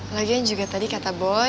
lagian juga tadi kata boy